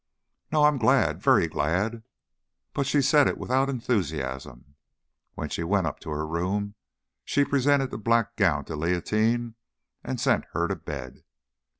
"No, I am glad very glad." But she said it without enthusiasm. When she went up to her room, she presented the black gown to Leontine and sent her to bed.